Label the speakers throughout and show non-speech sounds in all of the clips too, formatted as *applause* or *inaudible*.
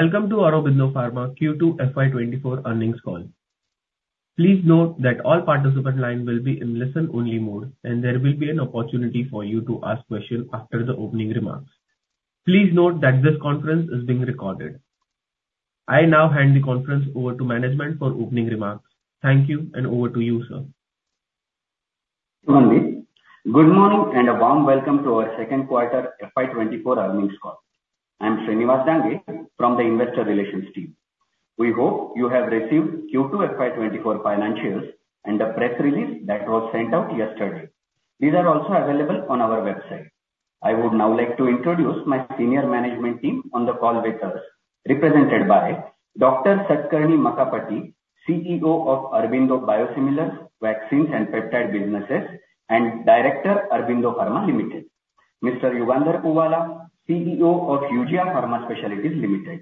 Speaker 1: Welcome to Aurobindo Pharma Q2 FY 2024 earnings call. Please note that all participant line will be in listen-only mode, and there will be an opportunity for you to ask questions after the opening remarks. Please note that this conference is being recorded. I now hand the conference over to management for opening remarks. Thank you, and over to you, Sir.
Speaker 2: Good morning, and a warm welcome to our second quarter FY 2024 earnings call. I'm Shriniwas Dange from the investor relations team. We hope you have received Q2 FY 2024 financials and the press release that was sent out yesterday. These are also available on our website. I would now like to introduce my senior management team on the call with us, represented by Dr. Satakarni Makkapati, CEO of Aurobindo Biosimilars, Vaccines, and Peptide Businesses, and Director of Aurobindo Pharma Limited, Mr. Yugandhar Puvvala, CEO of Eugia Pharma Specialities Limited,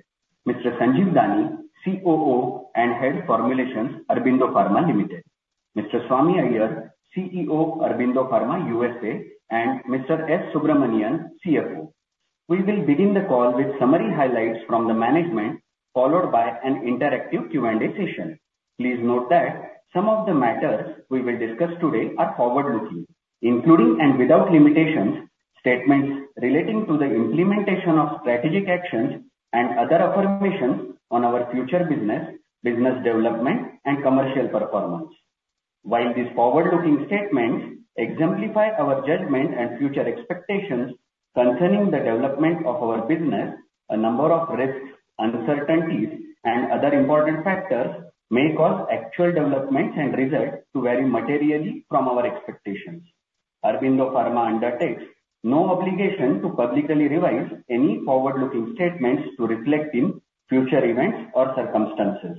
Speaker 2: Mr. Sanjeev Dani, COO and Head of Formulations, Aurobindo Pharma Limited, Mr. Swami Iyer, CEO, Aurobindo Pharma U.S.A., and Mr. S. Subramanian, CFO. We will begin the call with summary highlights from the management, followed by an interactive Q&A session. Please note that some of the matters we will discuss today are forward-looking, including, and without limitations, statements relating to the implementation of strategic actions and other affirmations on our future business, business development, and commercial performance. While these forward-looking statements exemplify our judgment and future expectations concerning the development of our business, a number of risks, uncertainties, and other important factors may cause actual developments and results to vary materially from our expectations. Aurobindo Pharma undertakes no obligation to publicly revise any forward-looking statements to reflect in future events or circumstances.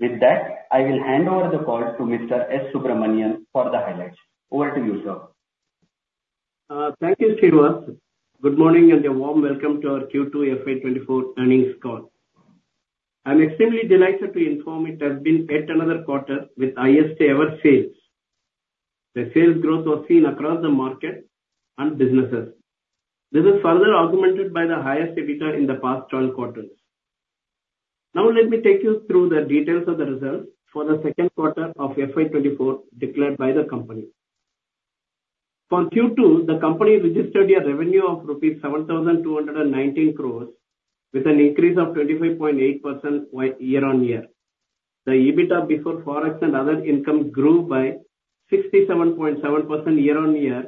Speaker 2: With that, I will hand over the call to Mr. S. Subramanian for the highlights. Over to you, Sir.
Speaker 3: Thank you, Shriniwas. Good morning, and a warm welcome to our Q2 FY 2024 earnings call. I'm extremely delighted to inform it has been yet another quarter with highest ever sales. The sales growth was seen across the market and businesses. This is further augmented by the highest EBITDA in the past 12 quarters. Now let me take you through the details of the results for the second quarter of FY 2024, declared by the company. For Q2, the company registered a revenue of rupees 7,219 crore, with an increase of 25.8% year-on-year. The EBITDA before Forex and other income grew by 67.7% year-on-year,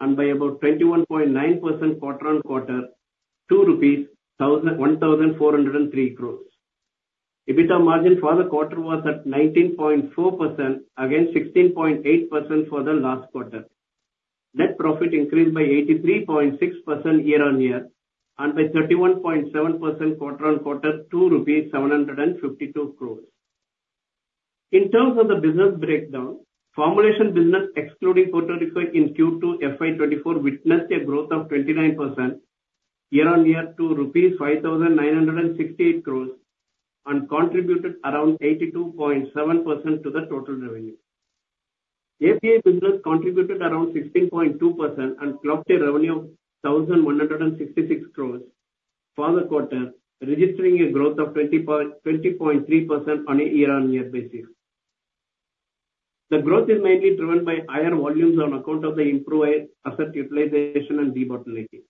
Speaker 3: and by about 21.9% quarter-on-quarter to 1,403 crore. EBITDA margin for the quarter was at 19.4%, against 16.8% for the last quarter. Net profit increased by 83.6% year-on-year, and by 31.7% quarter-on-quarter to 752 crore. In terms of the business breakdown, formulation business excluding Puerto Rico in Q2 FY 2024 witnessed a growth of 29% year-on-year to rupees 5,968 crore, and contributed around 82.7% to the total revenue. API business contributed around 16.2% and clocked a revenue of 1,166 crore for the quarter, registering a growth of 20.3% on a year-on-year basis. The growth is mainly driven by higher volumes on account of the improved asset utilization and debottlenecking.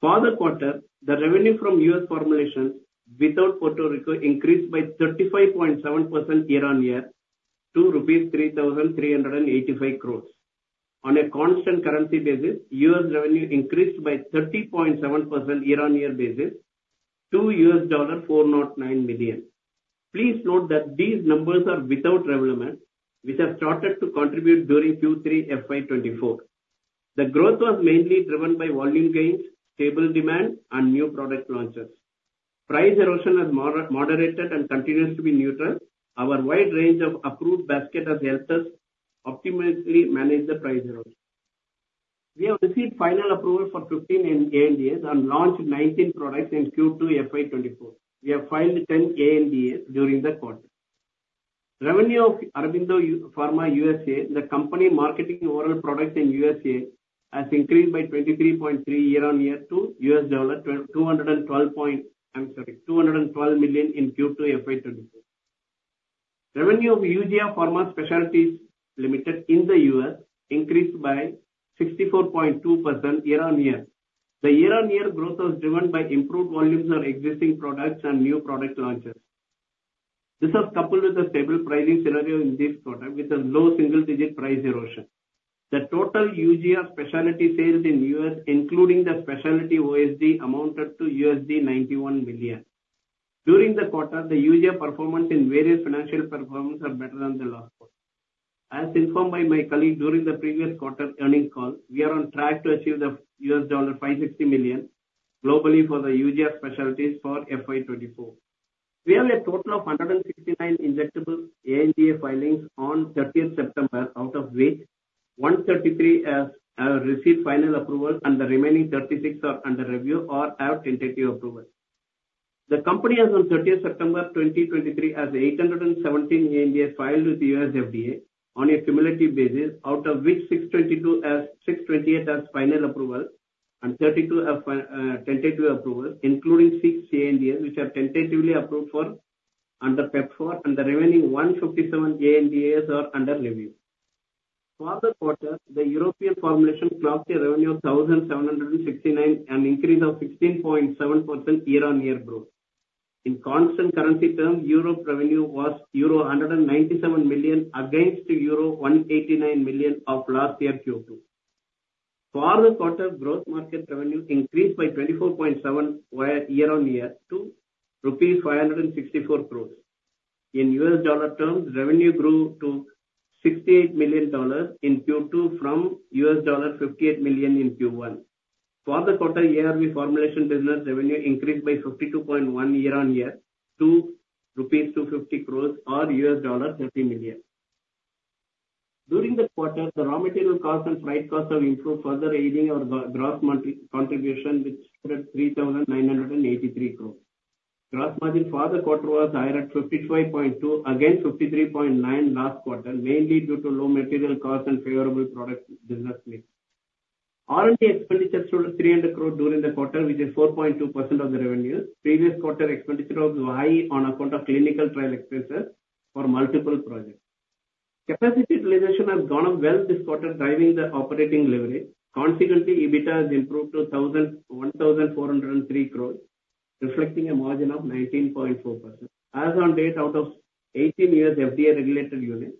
Speaker 3: For the quarter, the revenue from U.S. formulations without Puerto Rico increased by 35.7% year-on-year to rupees 3,385 crore. On a constant currency basis, U.S. revenue increased by 30.7% year-on-year to $409 million. Please note that these numbers are without gRevlimid, which has started to contribute during Q3 FY 2024. The growth was mainly driven by volume gains, stable demand, and new product launches. Price erosion has moderated and continues to be neutral. Our wide range of approved basket has helped us optimally manage the price erosion. We have received final approval for 15 ANDAs, and launched 19 products in Q2 FY 2024. We have filed 10 ANDAs during the quarter. Revenue of Aurobindo Pharma U.S.A., the company marketing oral products in U.S.A., has increased by 23.3% year-on-year to $212 million in Q2 FY 2024. Revenue of Eugia Pharma Specialities Limited in the U.S. increased by 64.2% year-on-year. The year-on-year growth was driven by improved volumes of existing products and new product launches. This was coupled with a stable pricing scenario in this product, with a low single-digit price erosion. The total Eugia Specialities sales in U.S., including the specialty OSD, amounted to $91 million. During the quarter, the Eugia performance in various financial performance are better than the last quarter. As informed by my colleague during the previous quarter earnings call, we are on track to achieve $560 million globally for the Eugia Specialities for FY 2024. We have a total of 169 injectable ANDA filings on 30th of September, out of which 133 received final approval and the remaining 36 are under review or have tentative approval. The company as on September 30th, 2023, has 817 ANDAs filed with the U.S. FDA on a cumulative basis, out of which 628 have final approval and 32 tentative approvals, including six ANDAs, which are tentatively approved under PEPFAR, and the remaining 157 ANDAs are under review. For the quarter, the European formulation clocked a revenue of 1,769 crore, an increase of 16.7% year-on-year growth. In constant currency terms, Europe revenue was euro 197 million, against euro 189 million of last year Q2. For the quarter, growth market revenue increased by 24.7% year-on-year to rupees 564 crore. In U.S. dollar terms, revenue grew to $68 million in Q2 from $58 million in Q1. For the quarter, ARV formulation business revenue increased by 52.1% year-on-year to INR 250 crore or $30 million. During the quarter, the raw material cost and price cost have improved, further aiding our gross margin contribution, which stood at 3,983 crore. Gross margin for the quarter was higher at 55.2% against 53.9% last quarter, mainly due to low material cost and favorable product business mix. R&D expenditure stood at 300 crore during the quarter, which is 4.2% of the revenue. Previous quarter expenditure was high on account of clinical trial expenses for multiple projects. Capacity utilization has gone up well this quarter, driving the operating leverage. Consequently, EBITDA has improved to 1,403 crore, reflecting a margin of 19.4%. As on date, out of 18 U.S. FDA-regulated units,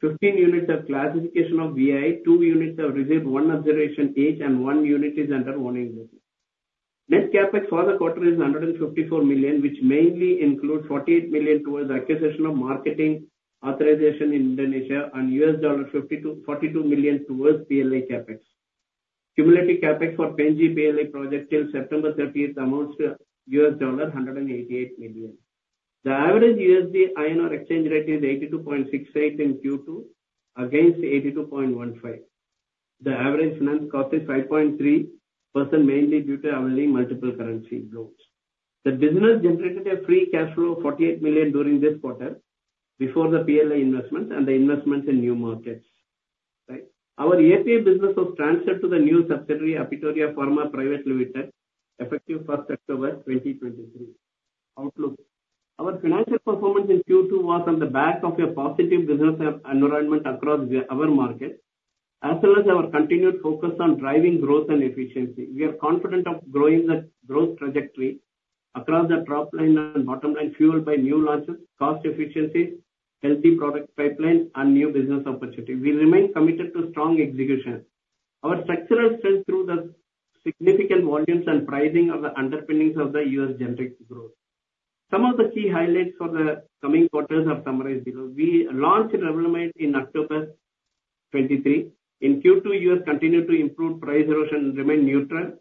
Speaker 3: 15 units have classification of VAI, two units have received one observation each, and one unit is under warning letter. Net CapEx for the quarter is 154 million, which mainly includes 48 million towards acquisition of marketing authorization in Indonesia and $52.42 million towards PLI CapEx. Cumulative CapEx for Pen-G PLI project till September 30th amounts to $188 million. The average USD/INR exchange rate is 82.68 in Q2, against 82.15. The average finance cost is 5.3%, mainly due to our having multiple currency loans. The business generated a free cash flow of $48 million during this quarter, before the PLI investment and the investments in new markets. Right. Our API business was transferred to the new subsidiary, Apitoria Pharma Private Limited, effective October 1st, 2023. Outlook. Our financial performance in Q2 was on the back of a positive business environment across our market, as well as our continued focus on driving growth and efficiency. We are confident of growing the growth trajectory across the top line and bottom line, fueled by new launches, cost efficiencies, healthy product pipeline, and new business opportunities. We remain committed to strong execution. Our structural strength through the significant volumes and pricing are the underpinnings of the U.S. generic growth. Some of the key highlights for the coming quarters are summarized below. We launched gRevlimid in October 2023. In Q2, U.S. continued to improve, price erosion remained neutral.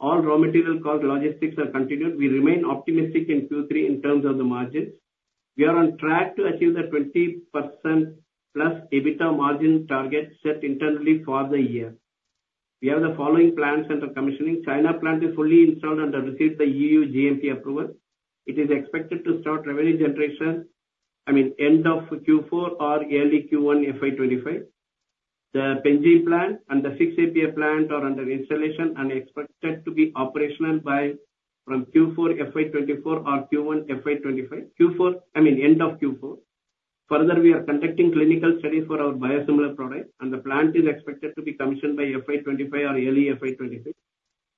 Speaker 3: All raw material costs, logistics are continued. We remain optimistic in Q3 in terms of the margins. We are on track to achieve the 20%+ EBITDA margin target set internally for the year. We have the following plants under commissioning. China plant is fully installed and have received the EU GMP approval. It is expected to start revenue generation, I mean, end of Q4 or early Q1, FY 2025. The Pen-G plant and the 6-APA plant are under installation and are expected to be operational by from Q4, FY 2024 or Q1, FY 2025, Q4, I mean, end of Q4. Further, we are conducting clinical studies for our biosimilar products, and the plant is expected to be commissioned by FY 2025 or early FY 2026.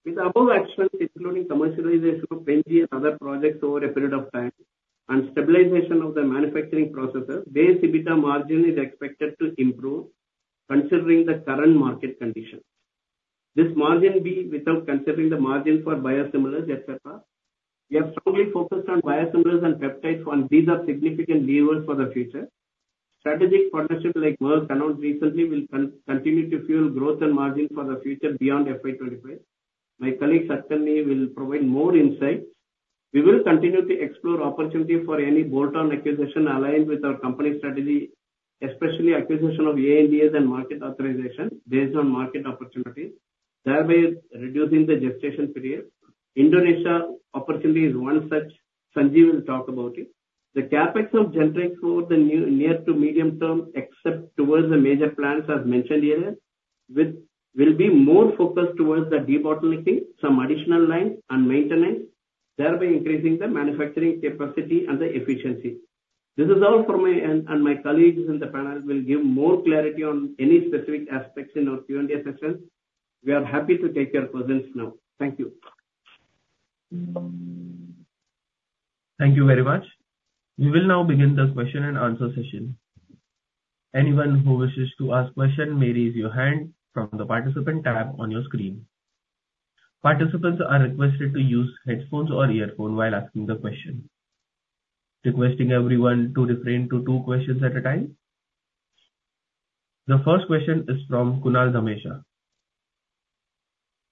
Speaker 3: With the above actions, including commercialization of Pen-G and other projects over a period of time and stabilization of the manufacturing processes, the EBITDA margin is expected to improve considering the current market conditions. This margin be without considering the margin for biosimilars, etc. We are strongly focused on biosimilars and peptides, and these are significant levers for the future. Strategic partnerships like Merck, announced recently, will continue to fuel growth and margin for the future beyond FY 2025. My colleague, Satakarni, will provide more insight. We will continue to explore opportunities for any bolt-on acquisition aligned with our company strategy, especially acquisition of ANDAs and market authorization based on market opportunities, thereby reducing the gestation period. Indonesia opportunity is one such. Sanjeev will talk about it. The CapEx of generic for the near to medium term, except towards the major plants as mentioned earlier, which will be more focused towards the debottlenecking some additional lines and maintenance, thereby increasing the manufacturing capacity and the efficiency. This is all for me, and, and my colleagues in the panel will give more clarity on any specific aspects in our Q&A session. We are happy to take your questions now. Thank you.
Speaker 1: Thank you very much. We will now begin the question and answer session. Anyone who wishes to ask question, may raise your hand from the participant tab on your screen. Participants are requested to use headphones or earphone while asking the question. Requesting everyone to refrain to two questions at a time. The first question is from Kunal Dhamesha.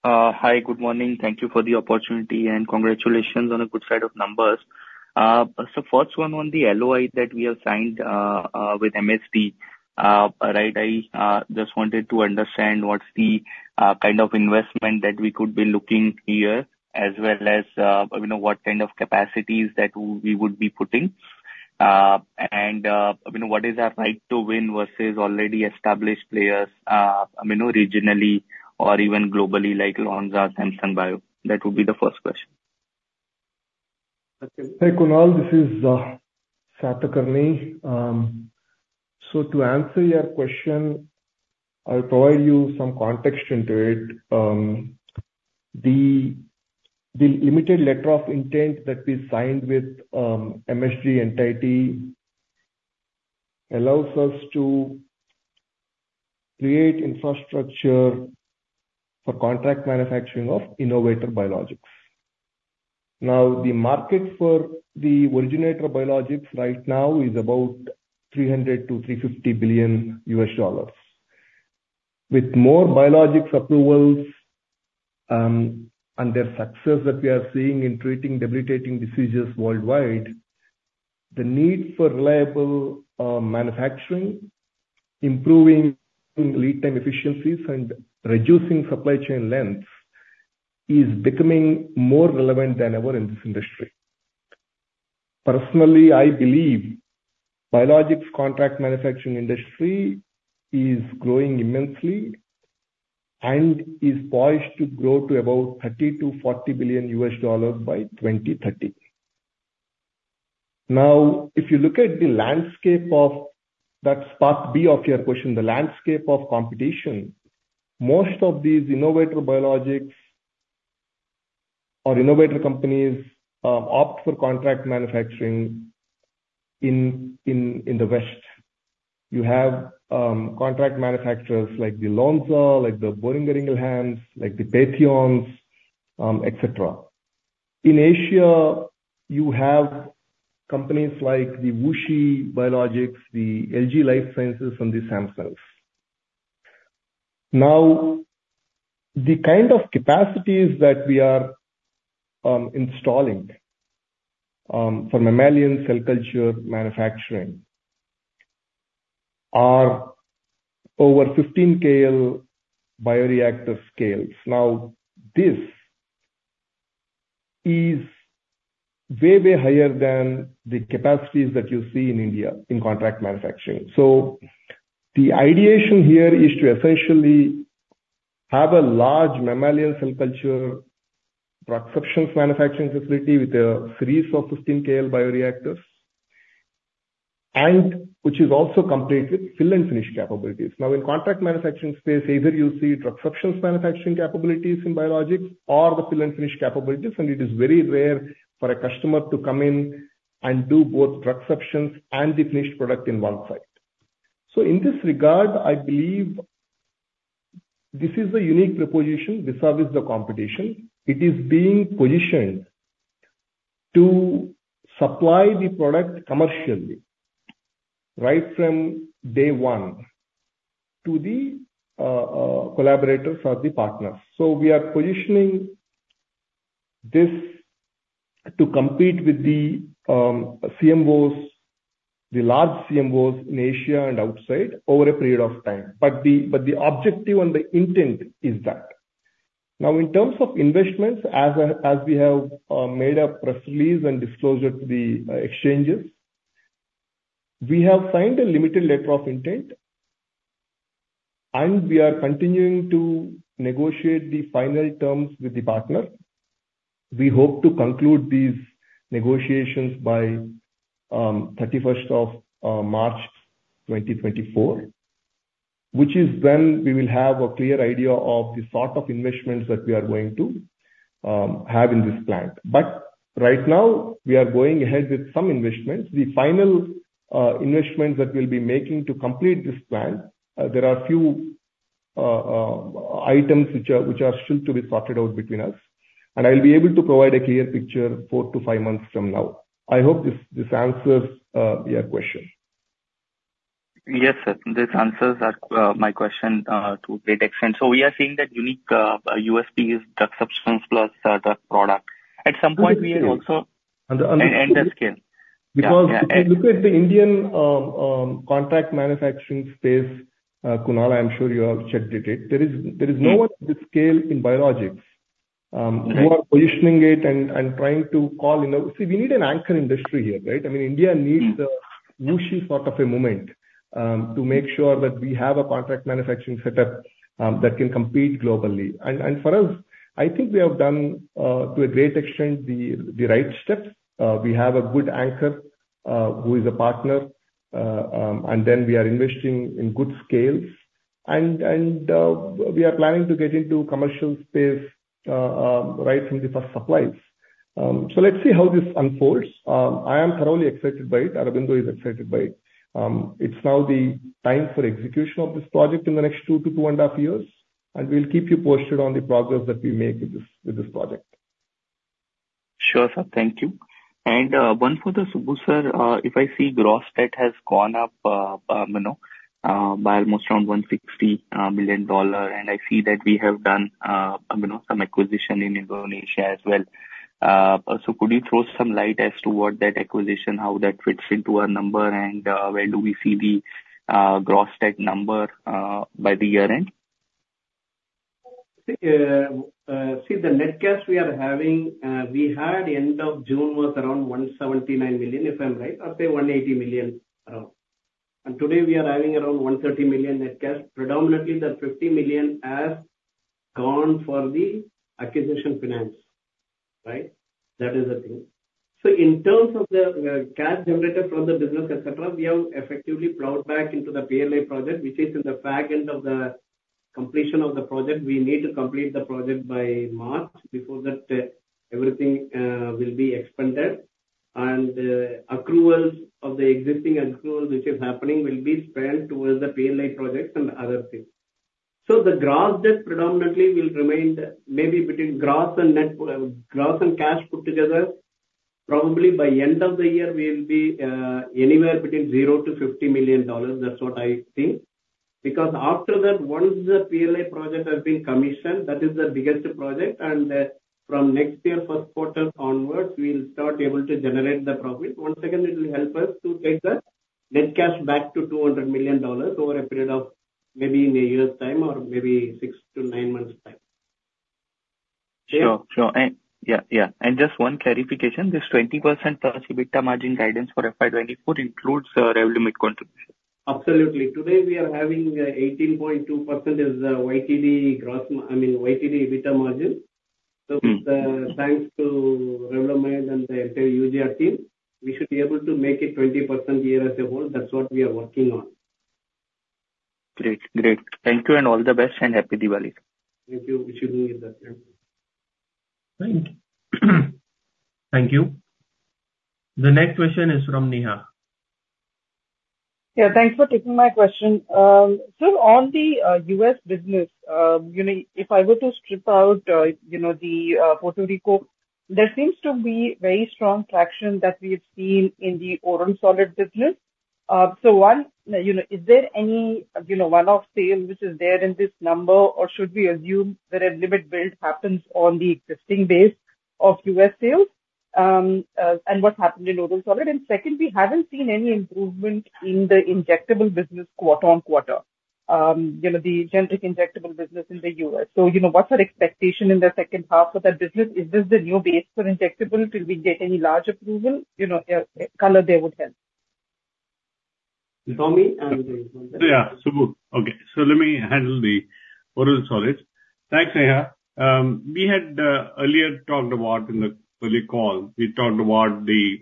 Speaker 4: Hi, good morning. Thank you for the opportunity, and congratulations on a good set of numbers. So first one on the LOI that we have signed with MSD, right? I just wanted to understand what's the kind of investment that we could be looking here, as well as, you know, what kind of capacities that we would be putting? And I mean, what is our right to win versus already established players, I mean, regionally or even globally, like Lonza, Samsung Bio? That would be the first question.
Speaker 5: Hey, Kunal, this is Satakarni. So to answer your question, I'll provide you some context into it. The limited Letter of Intent that we signed with MSD entity allows us to create infrastructure for contract manufacturing of innovator biologics. Now, the market for the originator biologics right now is about $300 billion-$350 billion. With more biologics approvals and their success that we are seeing in treating debilitating diseases worldwide, the need for reliable manufacturing, improving lead time efficiencies, and reducing supply chain lengths is becoming more relevant than ever in this industry. Personally, I believe biologics contract manufacturing industry is growing immensely and is poised to grow to about $30 billion-$40 billion by 2030. Now, if you look at the landscape of that Part B of your question, the landscape of competition, most of these innovator biologics or innovator companies, opt for contract manufacturing in the West. You have, contract manufacturers like the Lonza, like the Boehringer Ingelheim, like the Patheon, etc. In Asia, you have companies like the WuXi Biologics, the LG Life Sciences, and the Samsung. Now, the kind of capacities that we are installing for mammalian cell culture manufacturing are over 15 KL bioreactor scales. Now, this is way, way higher than the capacities that you see in India in contract manufacturing. So the ideation here is to essentially have a large mammalian cell culture drug substance manufacturing facility with a series of 15 KL bioreactors, and which is also complete with fill and finish capabilities. Now, in contract manufacturing space, either you see drug substance manufacturing capabilities in biologics or the fill and finish capabilities, and it is very rare for a customer to come in and do both drug substance and the finished product in one site. So in this regard, I believe this is a unique proposition vis-a-vis the competition. It is being positioned to supply the product commercially, right from day one to the collaborators or the partners. So we are positioning this to compete with the CMOs, the large CMOs in Asia and outside over a period of time. But the objective and the intent is that. Now, in terms of investments, as we have made a press release and disclosure to the exchanges, we have signed a limited Letter of Intent, and we are continuing to negotiate the final terms with the partner. We hope to conclude these negotiations by 31st of March 2024, which is when we will have a clear idea of the sort of investments that we are going to have in this plant. But right now we are going ahead with some investments. The final investments that we'll be making to complete this plant, there are a few items which are still to be sorted out between us, and I'll be able to provide a clear picture four to five months from now. I hope this answers your question.
Speaker 4: Yes, Sir. This answers my question to a great extent. So we are saying that unique USP is drug substance plus drug product. At some point we are also.
Speaker 5: And the scale.
Speaker 4: And the scale.
Speaker 5: Because if you look at the Indian contract manufacturing space, Kunal, I'm sure you have checked it. There is no one with the scale in biologics.
Speaker 4: Right.
Speaker 5: We are positioning it and trying to call in the. See, we need an anchor industry here, right? I mean, India needs a WuXi sort of a moment, to make sure that we have a contract manufacturing setup that can compete globally. And for us, I think we have done, to a great extent, the right steps. We have a good anchor who is a partner. And then we are investing in good scales and we are planning to get into commercial space right from the first supplies. So let's see how this unfolds. I am thoroughly excited by it. Aurobindo is excited by it. It's now the time for execution of this project in the next two to two and a half years, and we'll keep you posted on the progress that we make with this, with this project.
Speaker 4: Sure, Sir. Thank you. One for the Subbu, Sir. If I see gross debt has gone up, you know, by almost around $160 million, and I see that we have done, you know, some acquisition in Indonesia as well. So could you throw some light as to what that acquisition, how that fits into our number, and, where do we see the, gross debt number, by the year end?
Speaker 3: See the net cash we are having, we had end of June was around $179 million, if I'm right, or say $180 million around. And today, we are having around $130 million net cash. Predominantly, that $50 million has gone for the acquisition finance, right? That is the thing. So in terms of the, cash generated from the business, et cetera, we have effectively plowed back into the PLI project, which is in the back end of the completion of the project. We need to complete the project by March. Before that, everything, will be expended, and, accruals of the existing accrual which is happening will be spent towards the PLI projects and other things. So the gross debt predominantly will remain maybe between gross and net, gross and cash put together, probably by end of the year, we will be, anywhere between $0-$50 million. That's what I think. Because after that, once the PLI project has been commissioned, that is the biggest project, and, from next year, first quarter onwards, we'll start able to generate the profit. Once again, it will help us to take the net cash back to $200 million over a period of maybe in a year's time or maybe six to nine months' time. Okay?
Speaker 4: Sure, sure. And yeah, yeah, and just one clarification: This 20% gross EBITDA margin guidance for FY 2024 includes gRevlimid contribution?
Speaker 3: Absolutely. Today, we are having 18.2% is YTD gross I mean, YTD EBITDA margin.
Speaker 4: Mm.
Speaker 3: So, thanks to gRevlimid and the entire Eugia team, we should be able to make it 20% year as a whole. That's what we are working on.
Speaker 4: Great. Great. Thank you, and all the best, and happy Diwali.
Speaker 3: Thank you. Wish you the same.
Speaker 1: Thank you. The next question is from Neha.
Speaker 6: Yeah, thanks for taking my question. So on the U.S. business, you know, if I were to strip out, you know, the Puerto Rico, there seems to be very strong traction that we've seen in the oral solid business. So one, you know, is there any, you know, one-off sale which is there in this number, or should we assume the gRevlimid build happens on the existing base of U.S. sales? And what happened in oral solid? And secondly, we haven't seen any improvement in the injectable business quarter-over-quarter. You know, the generic injectable business in the U.S. So, you know, what's our expectation in the second half of that business? Is this the new base for injectable? Will we get any large approval? You know, color there would help.
Speaker 3: Swami, and then.
Speaker 7: Yeah, Subbu. Okay, so let me handle the oral solids. Thanks, Neha. We had earlier talked about in the early call, we talked about the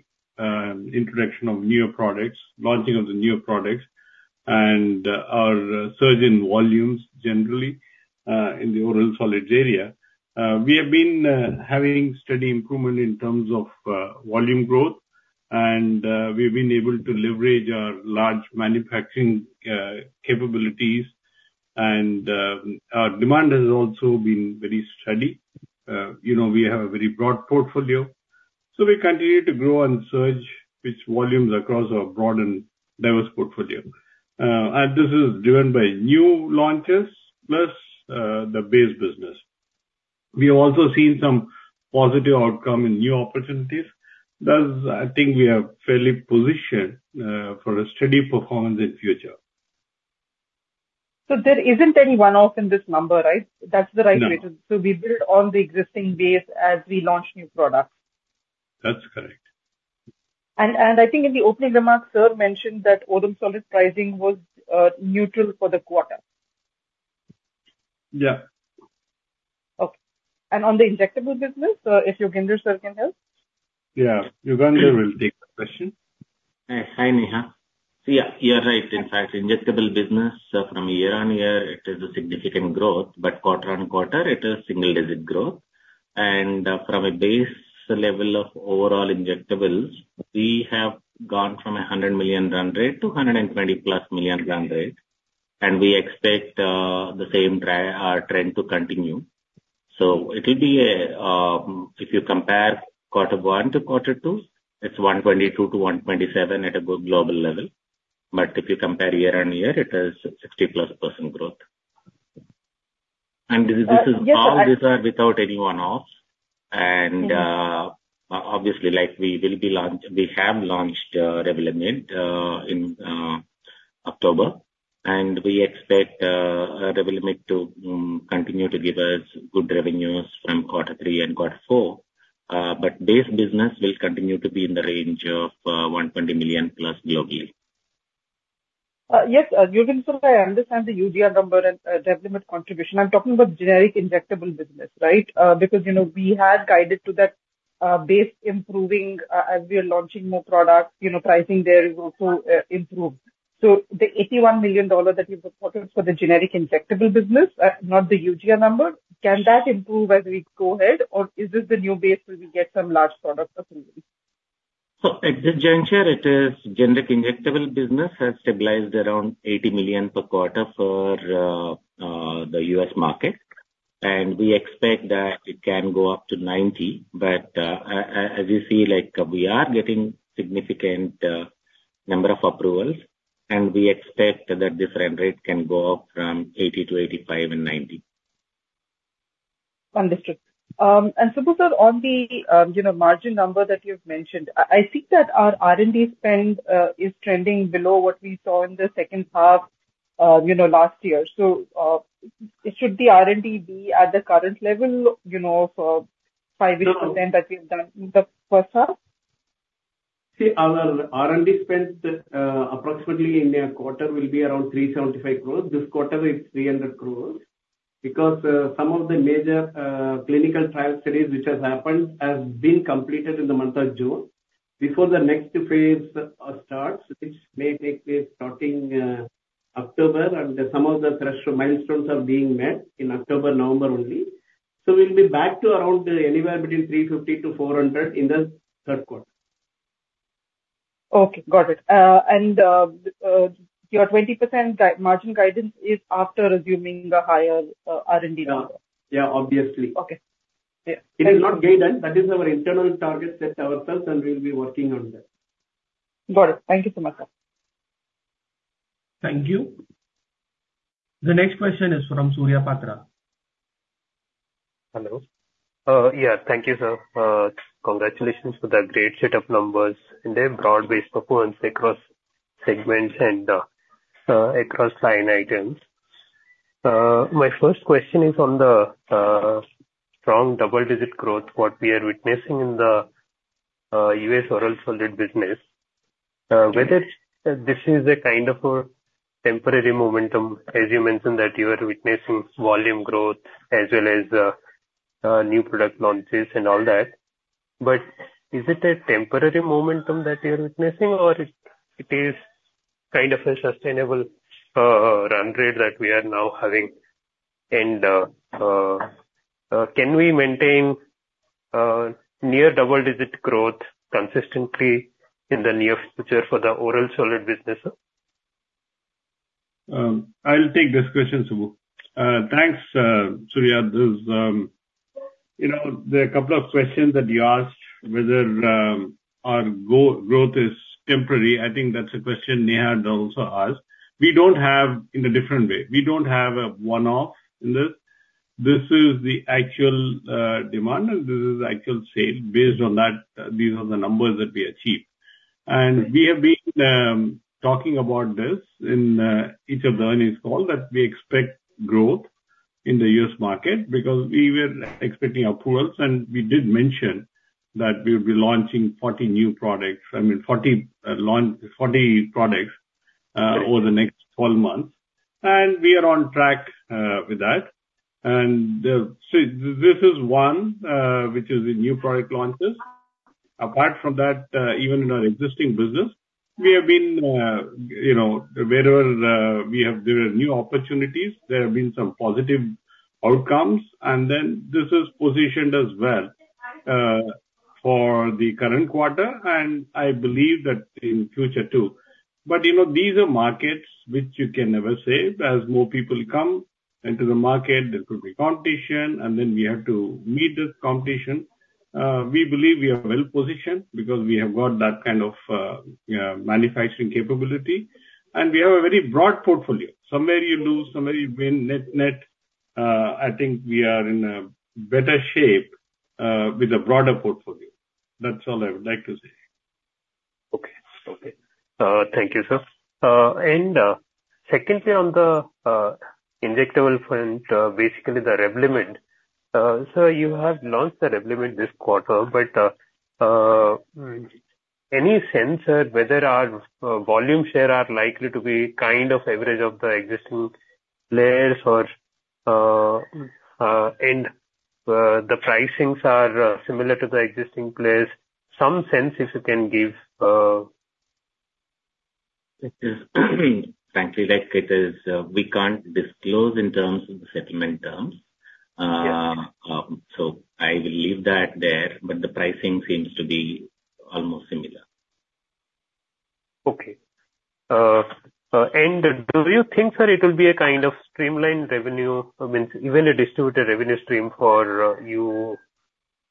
Speaker 7: introduction of new products, launching of the new products and our surge in volumes generally in the oral solids area. We have been having steady improvement in terms of volume growth, and we've been able to leverage our large manufacturing capabilities, and our demand has also been very steady. You know, we have a very broad portfolio, so we continue to grow and surge with volumes across our broad and diverse portfolio. And this is driven by new launches, plus the base business. We have also seen some positive outcome in new opportunities. Thus, I think we are fairly positioned for a steady performance in future.
Speaker 6: There isn't any one-off in this number, right? That's the right way to.
Speaker 7: No.
Speaker 6: So we build on the existing base as we launch new products?
Speaker 7: That's correct.
Speaker 6: I think in the opening remarks, Sir mentioned that oral solid pricing was neutral for the quarter.
Speaker 7: Yeah.
Speaker 6: Okay. On the injectable business, if Yugandhar Sir can help.
Speaker 7: Yeah, Yugandhar will take the question.
Speaker 8: Hi, Neha. So yeah, you're right. In fact, injectable business from year-on-year, it is a significant growth, but quarter-on-quarter, it is single digit growth. And from a base level of overall injectables, we have gone from a $100 million run rate to $120+ million run rate, and we expect the same trend to continue. So it'll be a if you compare quarter one to quarter two, it's $122 million-$127 million at a global level, but if you compare year-on-year, it is 60+% growth. And this is, this is.
Speaker 6: Yes, uh.
Speaker 8: All these are without any one-offs.
Speaker 6: Mm-hmm.
Speaker 8: Obviously, like, we have launched gRevlimid in October, and we expect gRevlimid to continue to give us good revenues from quarter three and quarter four. But base business will continue to be in the range of $120 million+ globally.
Speaker 6: Yes, Yugandhar, I understand the Eugia number and gRevlimid contribution. I'm talking about generic injectable business, right? Because, you know, we had guided to that base improving as we are launching more products, you know, pricing there is also improved. So the $81 million that you've quoted for the generic injectable business, not the Eugia number, can that improve as we go ahead, or is this the new base where we get some large product approval?
Speaker 8: So at this juncture, it is generic injectable business has stabilized around $80 million per quarter for the U.S. market, and we expect that it can go up to $90 million. But as you see, like, we are getting significant number of approvals, and we expect that this run rate can go up from $80 million to $85 million and $90 million.
Speaker 6: Understood. And Subbu, Sir, on the, you know, margin number that you've mentioned, I think that our R&D spend is trending below what we saw in the second half, you know, last year. So, should the R&D be at the current level, you know, for five years?
Speaker 3: No.
Speaker 6: That we've done in the first half?
Speaker 3: See, our R&D spend, approximately in a quarter will be around 375 crore. This quarter is 300 crore, because, some of the major, clinical trial studies which has happened, has been completed in the month of June. Before the next phase, starts, which may take place starting, October, and some of the threshold milestones are being met in October, November only. So we'll be back to around anywhere between 350 crore-400 crore in the third quarter.
Speaker 6: Okay, got it. And your 20% gross margin guidance is after assuming the higher R&D?
Speaker 3: Yeah. Yeah, obviously.
Speaker 6: Okay. Yeah.
Speaker 3: It is not guidance. That is our internal target, set ourselves, and we'll be working on that.
Speaker 6: Got it. Thank you so much, Sir.
Speaker 1: Thank you. The next question is from Surya Patra.
Speaker 9: Hello. Yeah, thank you, Sir. Congratulations for the great set of numbers and the broad-based performance across segments and across line items. My first question is on the strong double-digit growth what we are witnessing in the U.S. oral solid business.
Speaker 7: Yeah.
Speaker 9: Whether this is a kind of a temporary momentum, as you mentioned, that you are witnessing volume growth as well as new product launches and all that. But is it a temporary momentum that you're witnessing, or it is kind of a sustainable run rate that we are now having? And can we maintain near double-digit growth consistently in the near future for the oral solid business, Sir?
Speaker 7: I'll take this question, Subbu. Thanks, Surya. This, you know, there are a couple of questions that you asked, whether our growth is temporary. I think that's a question Neha had also asked. We don't have, in a different way, we don't have a one-off in this. This is the actual demand, and this is actual sale. Based on that, these are the numbers that we achieved. And we have been talking about this in each of the earnings calls, that we expect growth in the U.S. market, because we were expecting approvals, and we did mention that we'll be launching 40 new products, I mean, 40 launches, 40 products.
Speaker 9: Right.
Speaker 7: Over the next 12 months. We are on track with that. So this is one, which is the new product launches. Apart from that, even in our existing business, we have been, you know, wherever we have, there are new opportunities, there have been some positive outcomes, and then this is positioned as well for the current quarter, and I believe that in future, too. But, you know, these are markets which you can never say, as more people come into the market, there could be competition, and then we have to meet this competition. We believe we are well positioned, because we have got that kind of manufacturing capability, and we have a very broad portfolio. Somewhere you lose, somewhere you win, net, net, I think we are in a better shape, with a broader portfolio. That's all I would like to say.
Speaker 9: Okay. Okay. Thank you, Sir. And, secondly, on the injectable front, basically the gRevlimid. Sir, you have launched the gRevlimid this quarter, but any sense at whether our volume share are likely to be kind of average of the existing players or and the pricings are similar to the existing players? Some sense, if you can give.
Speaker 8: It is, frankly, like it is, we can't disclose in terms of the settlement terms.
Speaker 9: Yeah.
Speaker 8: I will leave that there, but the pricing seems to be almost similar.
Speaker 9: Okay. And do you think that it will be a kind of streamlined revenue, I mean, even a distributed revenue stream for you,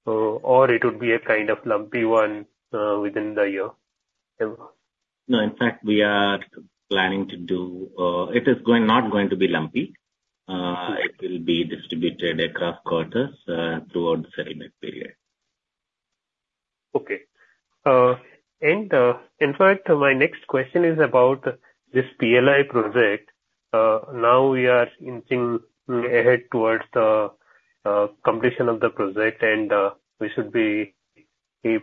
Speaker 9: or it would be a kind of lumpy one, within the year?
Speaker 8: No, in fact, we are planning to do. It is going, not going to be lumpy. It will be distributed across quarters throughout the settlement period.
Speaker 9: Okay. And, in fact, my next question is about this PLI project. Now we are inching ahead towards the completion of the project, and we should be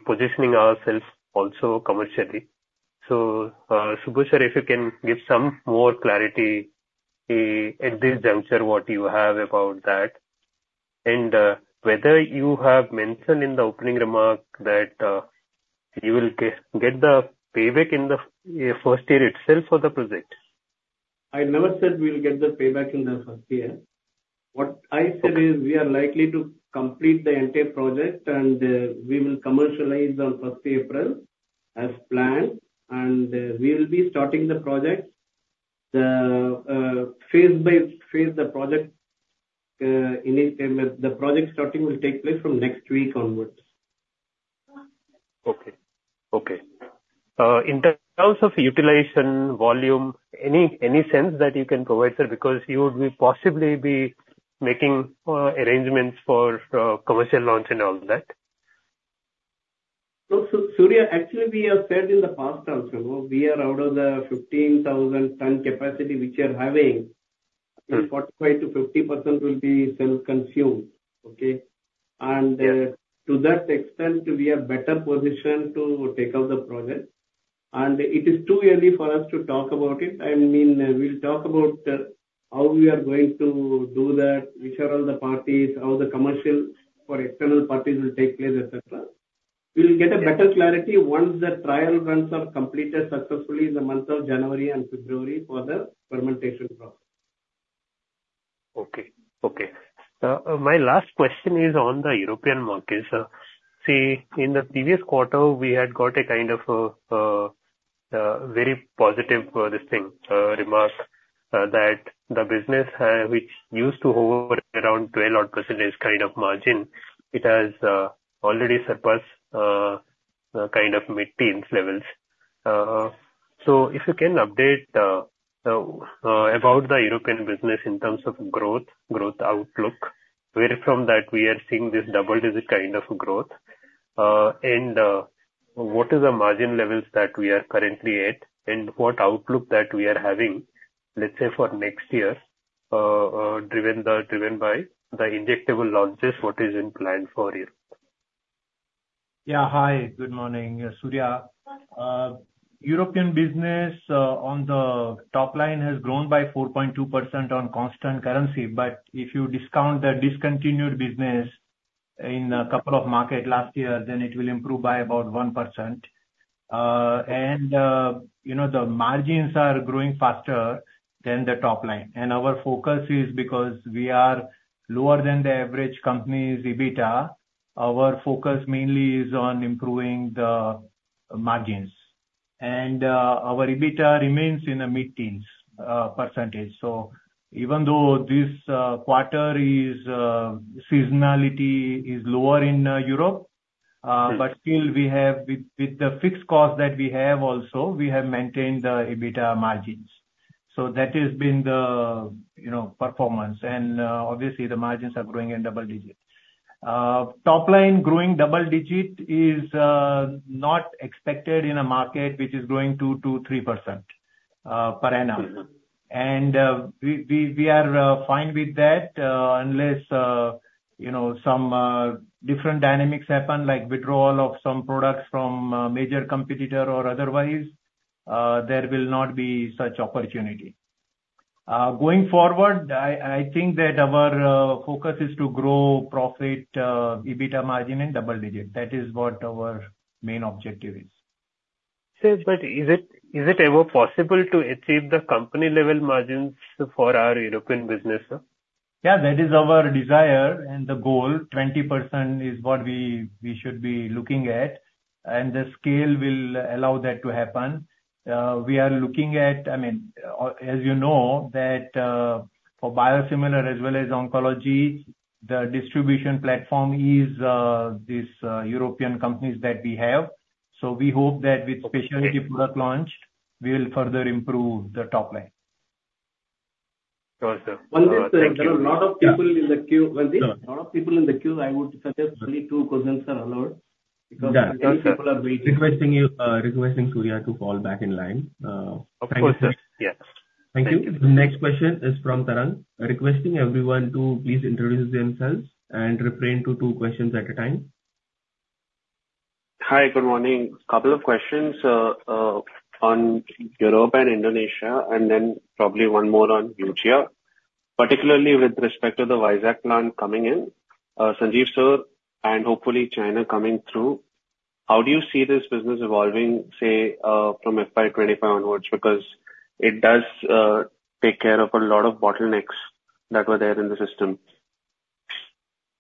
Speaker 9: positioning ourselves also commercially. So, Subbu, Sir, if you can give some more clarity at this juncture, what you have about that? And whether you have mentioned in the opening remark that you will get the payback in the first year itself for the project.
Speaker 3: I never said we'll get the payback in the first year.
Speaker 9: Okay.
Speaker 3: What I said is, we are likely to complete the entire project, and, we will commercialize on 1st April, as planned, and, we will be starting the project, phase by phase, the project, in a time where the project starting will take place from next week onwards.
Speaker 9: Okay. Okay. In terms of utilization, volume, any, any sense that you can provide, Sir, because you would be possibly making arrangements for commercial launch and all that?
Speaker 3: So, Surya, actually we have said in the past also, we are out of the 15,000-ton capacity which we are having, 45%-50% will be self-consumed, okay? And to that extent, we are better positioned to take up the project. And it is too early for us to talk about it. I mean, we'll talk about how we are going to do that, which are all the parties, how the commercials for external parties will take place, et cetera. We'll get a better clarity once the trial runs are completed successfully in the month of January and February for the fermentation process.
Speaker 9: Okay. Okay. My last question is on the European markets. See, in the previous quarter, we had got a kind of very positive remark that the business which used to hover around 12-odd% kind of margin, it has already surpassed kind of mid-teens levels. So if you can update about the European business in terms of growth, growth outlook, where from that we are seeing this double-digit kind of growth, and what is the margin levels that we are currently at, and what outlook that we are having, let's say, for next year, driven by the injectable launches, what is in plan for it?
Speaker 10: Yeah, hi, good morning, Surya. European business, on the top line has grown by 4.2% on constant currency, but if you discount the discontinued business in a couple of markets last year, then it will improve by about 1%. And, you know, the margins are growing faster than the top line. And, our focus is because we are lower than the average company's EBITDA, our focus mainly is on improving the margins. And, our EBITDA remains in the mid-teens percentage. So even though this quarter is, seasonality is lower in Europe.
Speaker 9: Mm-hmm.
Speaker 10: But still we have with the fixed cost that we have also, we have maintained the EBITDA margins. So that has been the, you know, performance. And obviously, the margins are growing in double digits. Top line growing double digit is not expected in a market which is growing 2%-3% per annum.
Speaker 9: Mm-hmm.
Speaker 10: We are fine with that, unless, you know, some different dynamics happen, like withdrawal of some products from a major competitor or otherwise, there will not be such opportunity. Going forward, I think that our focus is to grow profit EBITDA margin in double digits. That is what our main objective is.
Speaker 9: Sir, but is it ever possible to achieve the company level margins for our European business, Sir?
Speaker 10: Yeah, that is our desire and the goal. 20% is what we should be looking at, and the scale will allow that to happen. We are looking at, I mean, as you know, for biosimilar as well as oncology, the distribution platform is these European companies that we have. So we hope that with.
Speaker 9: Okay.
Speaker 10: Specialty product launch, we will further improve the top line.
Speaker 9: Sure, Sir.
Speaker 3: There are a lot of people in the queue. Vandit, a lot of people in the queue. I would suggest only two questions are allowed, because.
Speaker 7: Yeah.
Speaker 3: Many people are waiting.
Speaker 1: Requesting Surya to call back in line.
Speaker 9: Of course, Sir. Yes.
Speaker 1: Thank you. The next question is from Tarang. Requesting everyone to please introduce themselves and limit to two questions at a time.
Speaker 11: Hi, good morning. Couple of questions on Europe and Indonesia, and then probably one more on Eugia, particularly with respect to the Vizag plant coming in. Sanjeev Sir, and hopefully China coming through, how do you see this business evolving, say, from FY 2025 onwards? Because it does take care of a lot of bottlenecks that were there in the system.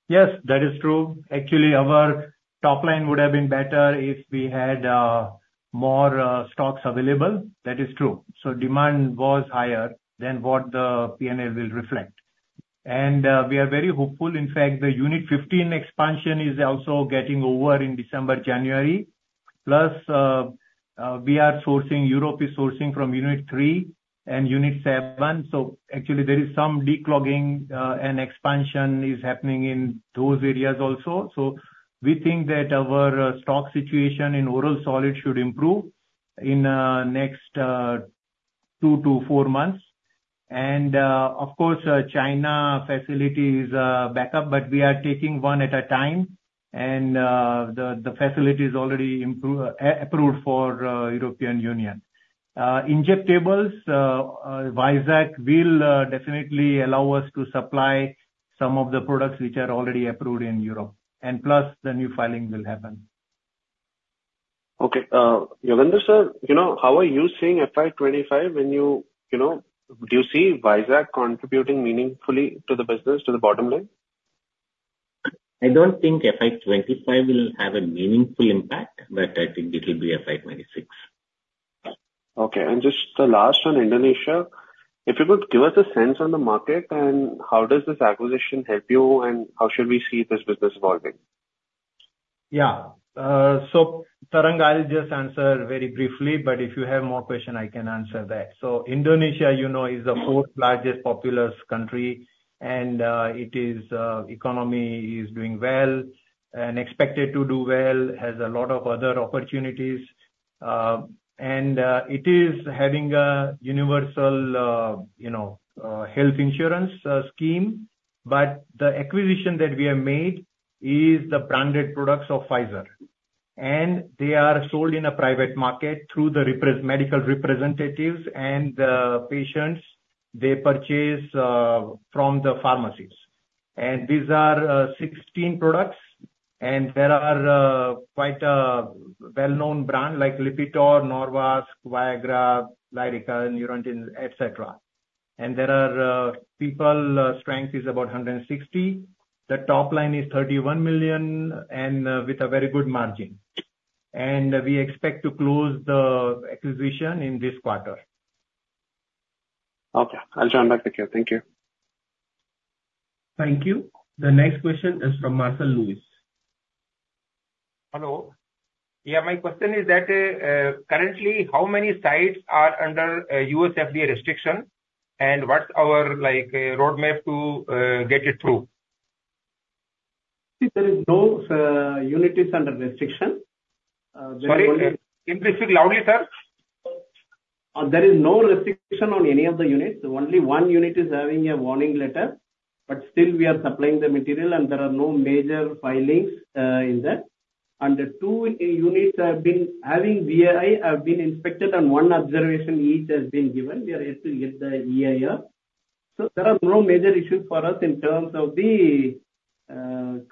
Speaker 10: Yes, that is true. Actually, our top line would have been better if we had more stocks available. That is true. So demand was higher than what the P&L will reflect. And we are very hopeful. In fact, the Unit 15 expansion is also getting over in December, January. Plus, we are sourcing, Europe is sourcing from Unit 3 and Unit 7. So actually there is some declogging, and expansion is happening in those areas also. So we think that our stock situation in oral solids should improve in next two to four months. And of course, China facility is back up, but we are taking one at a time, and the facility is already approved for European Union. Injectables, Vizag will definitely allow us to supply some of the products which are already approved in Europe, and plus, the new filings will happen.
Speaker 11: Okay. Yugandhar, Sir, you know, how are you seeing FY 2025 when you, you know, do you see Vizag contributing meaningfully to the business, to the bottom line?
Speaker 8: I don't think FY 2025 will have a meaningful impact, but I think it will be FY 2026.
Speaker 11: Okay, and just the last on Indonesia, if you could give us a sense on the market, and how does this acquisition help you, and how should we see this business evolving?
Speaker 10: Yeah. So, Tarang, I'll just answer very briefly, but if you have more question, I can answer that. So Indonesia, you know, is the fourth largest populous country, and it is economy is doing well and expected to do well, has a lot of other opportunities. And it is having a universal, you know, health insurance scheme. But the acquisition that we have made is the branded products of Pfizer, and they are sold in a private market through the medical representatives and the patients, they purchase from the pharmacies. And these are 16 products, and there are quite a well-known brand like Lipitor, Norvasc, Viagra, Lyrica, Neurontin, et cetera. And there are people strength is about 160. The top line is $31 million and with a very good margin. We expect to close the acquisition in this quarter.
Speaker 11: Okay, I'll join back the queue. Thank you.
Speaker 1: Thank you. The next question is from Marcel Lewis.
Speaker 12: Hello. Yeah, my question is that, currently, how many sites are under U.S. FDA restriction, and what's our, like, roadmap to get it through?
Speaker 3: See, there is no units under restriction, there only.
Speaker 12: Sorry, please speak loudly, Sir.
Speaker 3: There is no restriction on any of the units. Only one unit is having a warning letter, but still we are supplying the material, and there are no major filings in that. And the two units have been having VAI, have been inspected, and one observation each has been given. We are yet to get the EIR. So there are no major issues for us in terms of the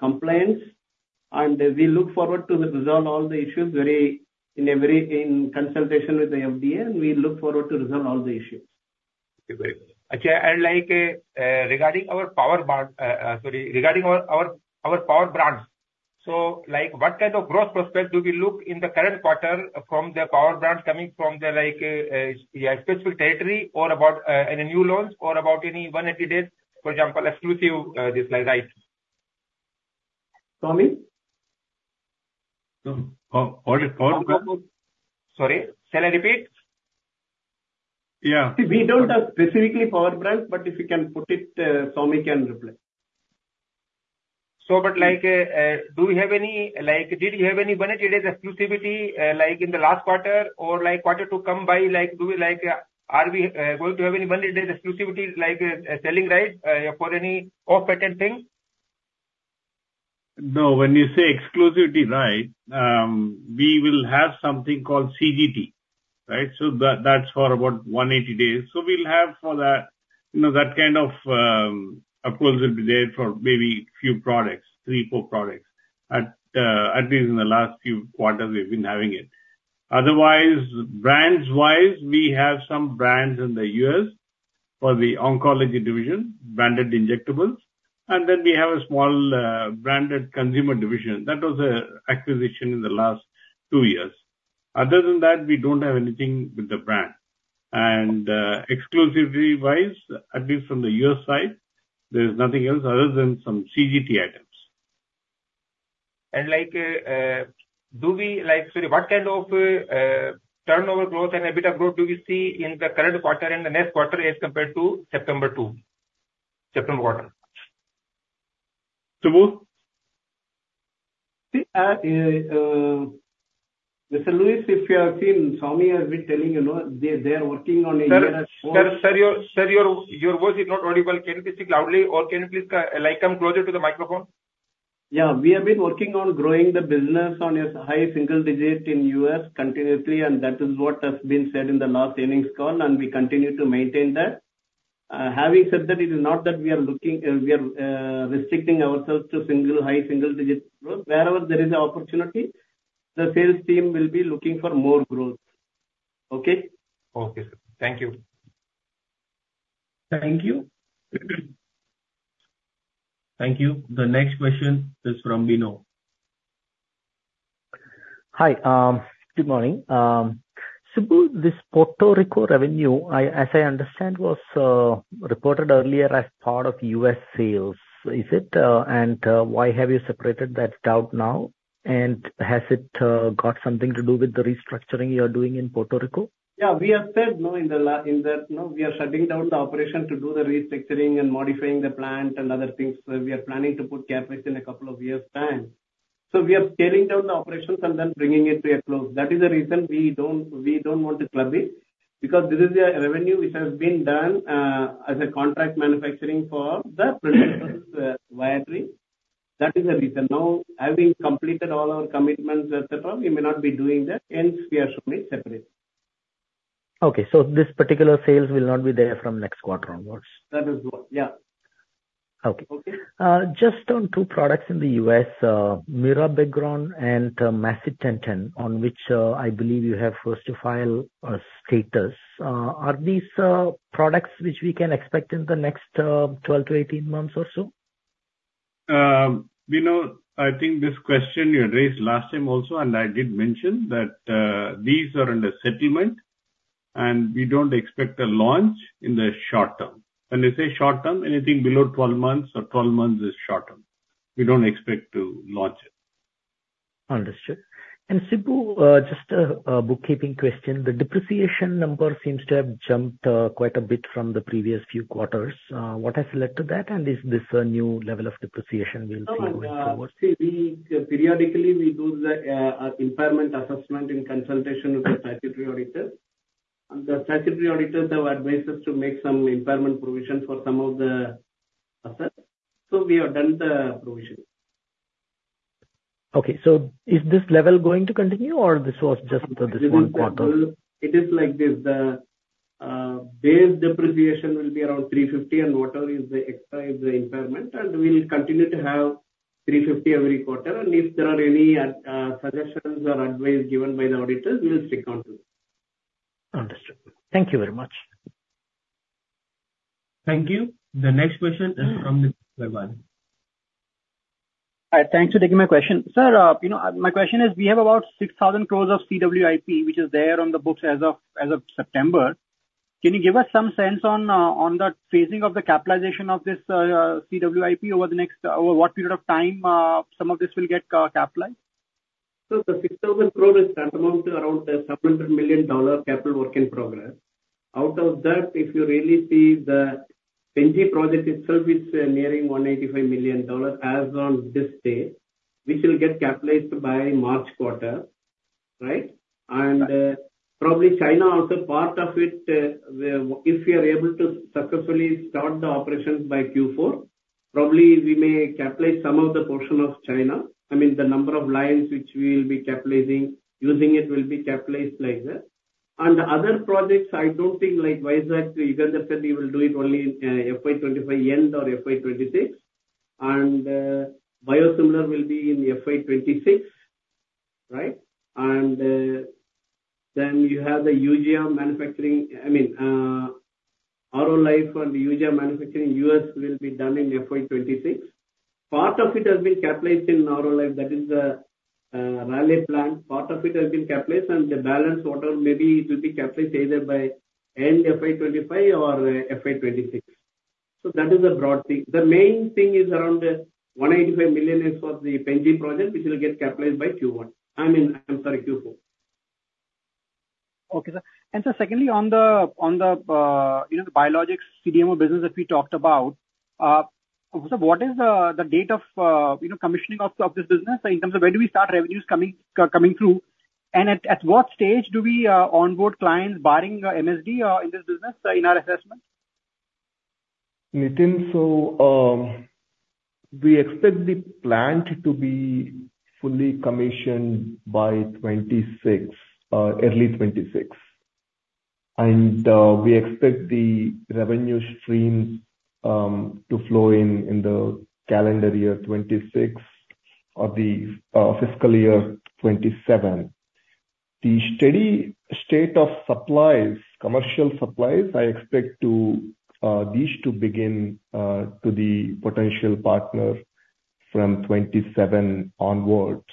Speaker 3: compliance, and we look forward to resolve all the issues in consultation with the FDA, and we look forward to resolve all the issues.
Speaker 12: Okay. I'd like, regarding our power brands. So, like, what kind of growth prospect do we look in the current quarter from the power brands coming from the, like, special territory or about any new launches or about any 180 days, for example, exclusive display rights?
Speaker 3: Swami?
Speaker 7: Hold it, hold on.
Speaker 12: Sorry. Shall I repeat?
Speaker 7: Yeah.
Speaker 3: We don't have specifically power brands, but if you can put it, Swami can reply.
Speaker 12: So, but like, do we have any? Like, did you have any 180-day exclusivity, like, in the last quarter or, like, quarter to come by, like, do we like, are we going to have any 180-day exclusivity, like, selling right for any off-patent thing?
Speaker 7: No. When you say exclusivity right, we will have something called CGT, right? So that, that's for about 180 days. So we'll have for that, you know, that kind of, approval will be there for maybe few products, three, four products. At least in the last few quarters we've been having it. Otherwise, brands-wise, we have some brands in the U.S. for the oncology division, branded injectables, and then we have a small, branded consumer division. That was a acquisition in the last two years. Other than that, we don't have anything with the brand. And, exclusivity-wise, at least from the U.S. side, there is nothing else other than some CGT items.
Speaker 12: Sorry, what kind of turnover growth and a bit of growth do we see in the current quarter and the next quarter as compared to September two, September quarter?
Speaker 7: Subbu?
Speaker 3: See, Mr. Lewis, if you have seen, Swami has been telling you no, they, they are working on a. *crosstalk*
Speaker 12: Sir, your voice is not audible. Can you please speak loudly, or can you please, like, come closer to the microphone?
Speaker 3: Yeah, we have been working on growing the business on a high single digit in U.S. continuously, and that is what has been said in the last earnings call, and we continue to maintain that. Having said that, it is not that we are looking, we are, restricting ourselves to single, high single digit growth. Wherever there is an opportunity, the sales team will be looking for more growth. Okay?
Speaker 12: Okay, Sir. Thank you.
Speaker 1: Thank you. Thank you. The next question is from Bino.
Speaker 13: Hi. Good morning. Subbu, this Puerto Rico revenue, I, as I understand, was reported earlier as part of U.S. sales. Is it, and why have you separated that out now? And has it got something to do with the restructuring you are doing in Puerto Rico?
Speaker 3: Yeah, we have said, you know, in the last, you know, we are shutting down the operation to do the restructuring and modifying the plant and other things. We are planning to put CapEx in a couple of years' time. We are tearing down the operations and then bringing it to a close. That is the reason we don't, we don't want to club it, because this is a revenue which has been done, you know, as a contract manufacturing for the producers, Viatris. That is the reason. Now, having completed all our commitments, et cetera, we may not be doing that, hence we are showing separate.
Speaker 13: Okay, so this particular sales will not be there from next quarter onwards?
Speaker 3: That is what, yeah.
Speaker 13: Okay.
Speaker 3: Okay?
Speaker 13: Just on two products in the U.S., mirabegron and macitentan, on which I believe you have first-to-file status. Are these products which we can expect in the next 12-18 months or so?
Speaker 7: You know, I think this question you had raised last time also, and I did mention that, these are under settlement, and we don't expect a launch in the short term. When I say short term, anything below 12 months or 12 months is short term. We don't expect to launch it.
Speaker 13: Understood. And Subbu, just a bookkeeping question. The depreciation number seems to have jumped, quite a bit from the previous few quarters. What has led to that, and is this a new level of depreciation we'll see going forward?
Speaker 3: No, and see, we periodically do the impairment assessment in consultation with the statutory auditor, and the statutory auditors have advised us to make some impairment provision for some of the assets, so we have done the provision.
Speaker 13: Okay, so is this level going to continue, or this was just for this one quarter?
Speaker 3: It is like this, the base depreciation will be around 350 crore, and whatever is the extra is the impairment, and we'll continue to have 350 crore every quarter. And if there are any suggestions or advice given by the auditors, we'll stick on to it.
Speaker 13: Understood. Thank you very much.
Speaker 1: Thank you. The next question is from Nitin Agarwal.
Speaker 14: Hi, thanks for taking my question. Sir, you know, my question is: we have about 6,000 crore of CWIP, which is there on the books as of September. Can you give us some sense on the phasing of the capitalization of this CWIP over the next over what period of time some of this will get capitalized?
Speaker 3: The 6,000 crore is tantamount to around $700 million capital work in progress. Out of that, if you really see, the Pen-G project itself is nearing $185 million as on this date, which will get capitalized by March quarter, right?
Speaker 14: Right.
Speaker 3: Probably China also part of it, where if we are able to successfully start the operations by Q4, probably we may capitalize some of the portion of China. I mean, the number of lines which we will be capitalizing, using it will be capitalized like that. And the other projects, I don't think, like Vizag, you just said you will do it only in, FY 2025 end or FY 2026. And, biosimilar will be in FY 2026, right? And, then you have the Eugia manufacturing. I mean, Aurolife and the Eugia manufacturing in U.S. will be done in FY 2026. Part of it has been capitalized in Aurolife, that is the, Raleigh plant. Part of it has been capitalized, and the balance whatever, maybe it will be capitalized either by end FY 2025 or FY 2026. So that is the broad thing. The main thing is around $185 million is for the Pen-G project, which will get capitalized by Q1, I mean, I'm sorry, Q4.
Speaker 14: Okay, Sir. And Sir, secondly, on the, you know, the biologics CDMO business that we talked about, so what is the date of, you know, commissioning of this business, in terms of when do we start revenues coming through? And at what stage do we onboard clients barring MSD, in this business, in our assessment?
Speaker 5: Nitin, so we expect the plant to be fully commissioned by 2026, early 2026. And we expect the revenue stream to flow in, in the calendar year 2026 or the fiscal year 2027. The steady state of supplies, commercial supplies, I expect these to begin to the potential partner from 2027 onwards.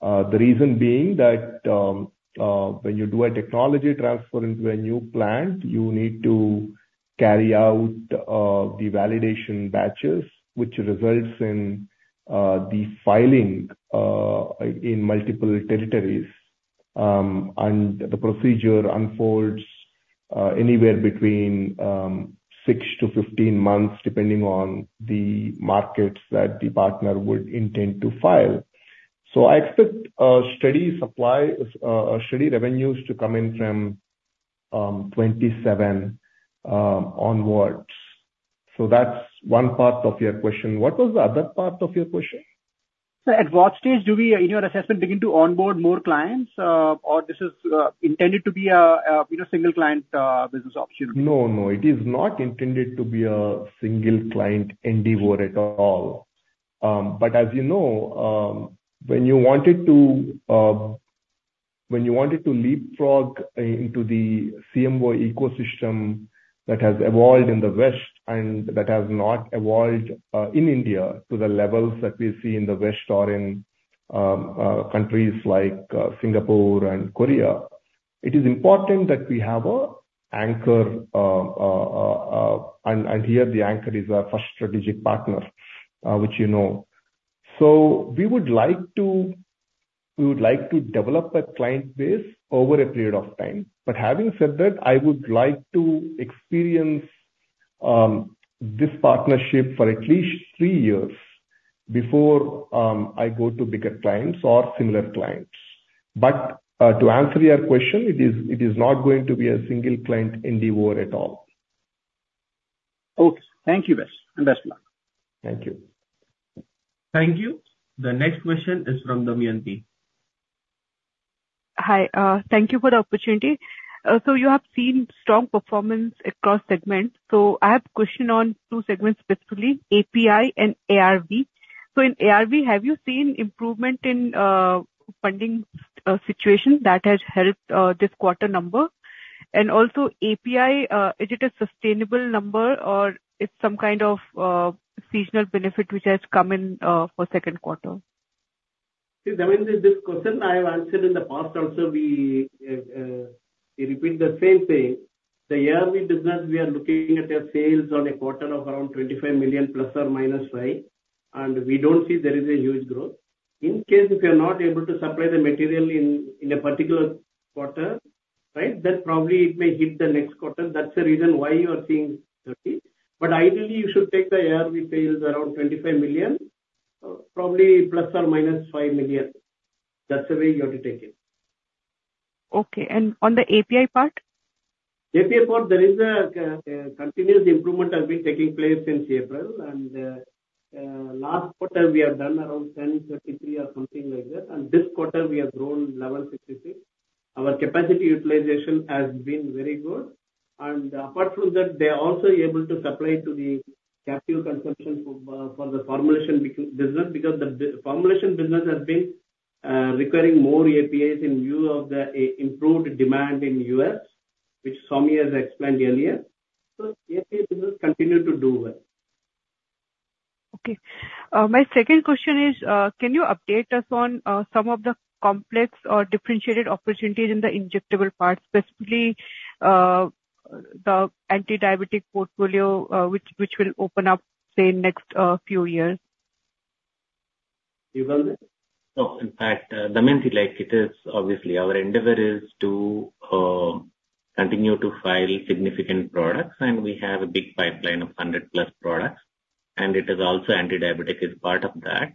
Speaker 5: The reason being that when you do a technology transfer into a new plant, you need to carry out the validation batches, which results in the filing in multiple territories. And the procedure unfolds anywhere between six to 15 months, depending on the markets that the partner would intend to file. So I expect a steady supply, steady revenues to come in from 2027 onwards. So that's one part of your question. What was the other part of your question?
Speaker 14: Sir, at what stage do we, in your assessment, begin to onboard more clients, or this is intended to be a, you know, single client business option?
Speaker 5: No, no, it is not intended to be a single client endeavor at all. But as you know, when you wanted to leapfrog into the CMO ecosystem that has evolved in the West and that has not evolved in India to the levels that we see in the West or in, and here the anchor is our first strategic partner, which you know. So we would like to develop a client base over a period of time. But having said that, I would like to experience this partnership for at least three years before I go to bigger clients or similar clients. To answer your question, it is, it is not going to be a single client endeavor at all.
Speaker 14: Okay. Thank you, guys, and best of luck.
Speaker 5: Thank you.
Speaker 1: Thank you. The next question is from Damayanti.
Speaker 15: Hi, thank you for the opportunity. So you have seen strong performance across segments. So I have a question on two segments, specifically, API and ARV. So in ARV, have you seen improvement in funding situation that has helped this quarter number? And also API, is it a sustainable number or it's some kind of seasonal benefit which has come in for second quarter?
Speaker 3: See, Damayanti, this question I have answered in the past also, we repeat the same thing. The yearly business, we are looking at a sales on a quarter of around $25 million, plus or minus $5 million, and we don't see there is a huge growth. In case if you're not able to supply the material in a particular quarter, right, then probably it may hit the next quarter. That's the reason why you are seeing $30 million. But ideally, you should take the yearly sales around $25 million, probably ±$5 million. That's the way you have to take it.
Speaker 15: Okay. On the API part?
Speaker 3: API part, there is a continuous improvement has been taking place since April, and last quarter we have done around 1,033 crore or something like that, and this quarter we have grown to 1,166 crore. Our capacity utilization has been very good, and apart from that, they are also able to supply to the captive consumption for the formulation business, because the formulation business has been requiring more APIs in view of the improved demand in U.S., which Swami has explained earlier. So API business continue to do well.
Speaker 15: Okay. My second question is, can you update us on some of the complex or differentiated opportunities in the injectable part, specifically, the anti-diabetic portfolio, which will open up, say, in next few years?
Speaker 3: You go on.
Speaker 8: No, in fact, Damayanti, like, it is obviously our endeavor is to continue to file significant products, and we have a big pipeline of 100+ products, and it is also anti-diabetic is part of that.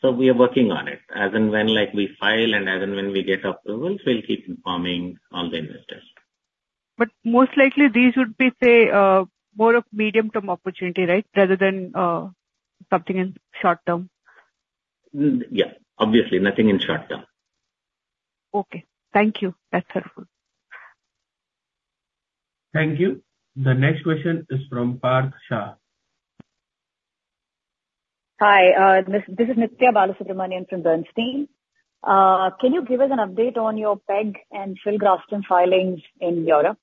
Speaker 8: So we are working on it. As and when, like, we file and as and when we get approvals, we'll keep informing all the investors.
Speaker 15: Most likely these would be, say, more of medium-term opportunity, right? Rather than something in short term.
Speaker 8: Yeah, obviously, nothing in short term.
Speaker 15: Okay. Thank you. That's helpful.
Speaker 1: Thank you. The next question is from Parth Shah.
Speaker 16: Hi, this is Nithya Balasubramanian from Bernstein. Can you give us an update on your peg and filgrastim filings in Europe?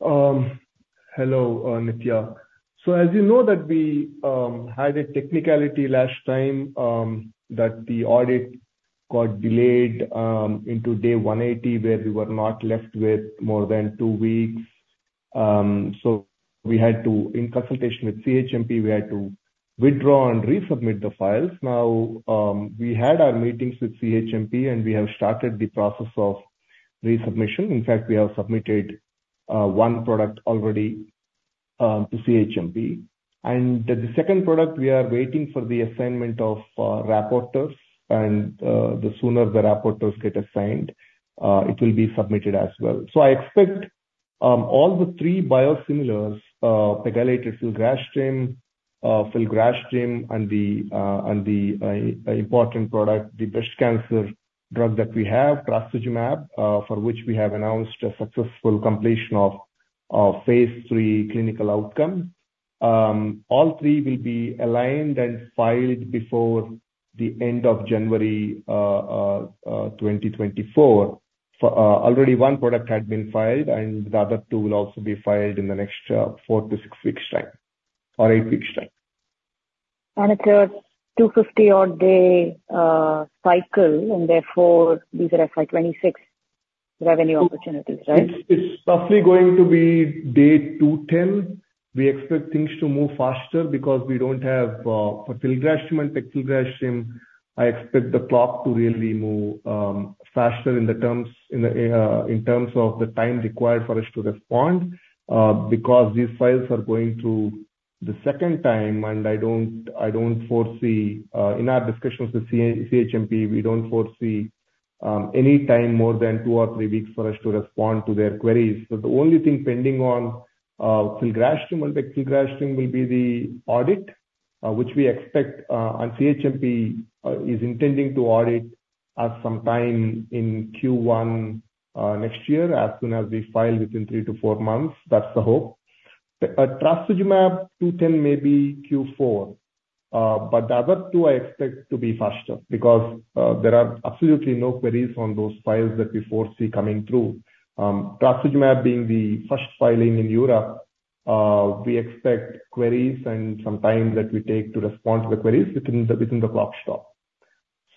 Speaker 5: Hello, Nithya. So as you know that we had a technicality last time that the audit got delayed into day 180, where we were not left with more than two weeks. So we had to, in consultation with CHMP, we had to withdraw and resubmit the files. Now, we had our meetings with CHMP, and we have started the process of resubmission. In fact, we have submitted one product already to CHMP. And the second product, we are waiting for the assignment of rapporteurs, and the sooner the rapporteurs get assigned, it will be submitted as well. I expect all three biosimilars, pegylated filgrastim, filgrastim, and the important product, the breast cancer drug that we have, trastuzumab, for which we have announced a successful completion of phase III clinical outcome. All three will be aligned and filed before the end of January 2024. Already one product had been filed, and the other two will also be filed in the next four to six weeks' time or eight weeks' time.
Speaker 16: It's a 250-odd day cycle, and therefore these are FY 2026 revenue opportunities, right?
Speaker 5: It's roughly going to be day 210. We expect things to move faster because we don't have for filgrastim and pegfilgrastim, I expect the clock to really move faster in terms of the time required for us to respond because these files are going through the second time, and I don't foresee. In our discussions with CHMP, we don't foresee any time more than two or three weeks for us to respond to their queries. So the only thing pending on filgrastim and pegfilgrastim will be the audit which we expect, and CHMP is intending to audit at some time in Q1 next year, as soon as we file within three to four months. That's the hope. The trastuzumab, 210 may be Q4. But the other two I expect to be faster because there are absolutely no queries on those files that we foresee coming through. Trastuzumab being the first filing in Europe, we expect queries and some time that we take to respond to the queries within the, within the clock stop.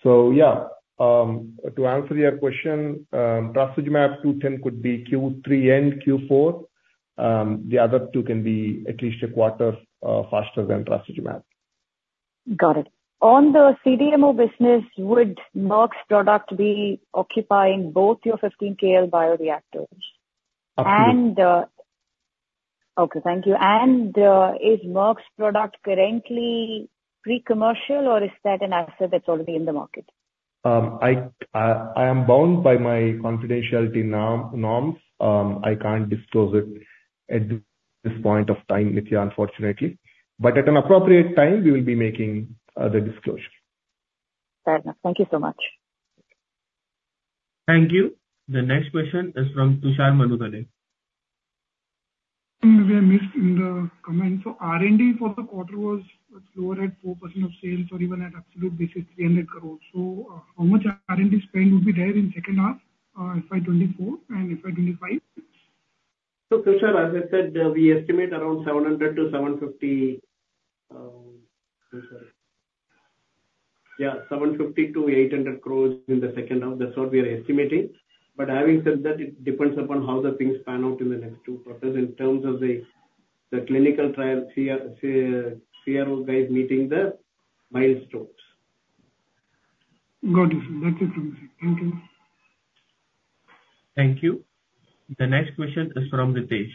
Speaker 5: So yeah, to answer your question, trastuzumab 210 could be Q3 and Q4. The other two can be at least a quarter faster than trastuzumab.
Speaker 16: Got it. On the CDMO business, would Merck's product be occupying both your 15 KL bioreactors?
Speaker 5: Absolutely.
Speaker 16: Okay, thank you. Is Merck's product currently pre-commercial, or is that an asset that's already in the market?
Speaker 5: I am bound by my confidentiality norm, norms. I can't disclose it at this point of time, Nithya, unfortunately. But at an appropriate time, we will be making the disclosure.
Speaker 16: Fair enough. Thank you so much.
Speaker 1: Thank you. The next question is from Tushar Manudhane.
Speaker 17: We have missed in the comment. So R&D for the quarter was lower at 4% of sales, or even at absolute basis, 300 crore. So how much R&D spend would be there in second half, FY 2024 and FY 2025?
Speaker 3: So, Sir, as I said, we estimate around 700 crore-750 crore, yeah, 750 crore-800 crore in the second half. That's what we are estimating. But having said that, it depends upon how the things pan out in the next two quarters in terms of the clinical trial, CRO, CRO guys meeting the milestones.
Speaker 17: Got it. That's it from me. Thank you.
Speaker 1: Thank you. The next question is from Ritesh.